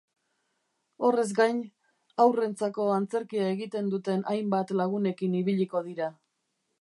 Horrez gain, haurrentzako antzerkia egiten duten hainbat lagunekin ibiliko dira.